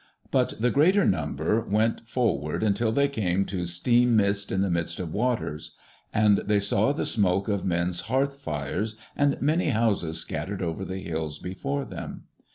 But the greater number went forward until they came to Steam mist in the midst of waters. And they saw the smoke of men's hearth fires and many houses scattered over the hills before them.